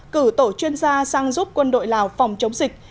cử tổ chuyên gia sang giúp quân đội lào phòng chống dịch